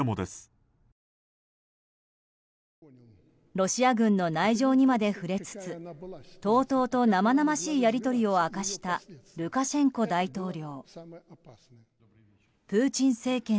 ロシア軍の内情にまで触れつつとうとうと生々しいやり取りを明かした、ルカシェンコ大統領。